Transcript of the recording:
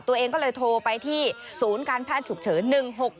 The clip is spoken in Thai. ตัวเองก็เลยโทรไปที่ศูนย์การแพทย์ฉุกเฉิน๑๖๖